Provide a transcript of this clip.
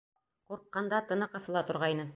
Ҡурҡҡанда тыны ҡыҫыла торғайны.